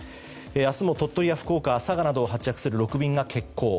明日も鳥取や福岡、佐賀などを発着する６便が欠航。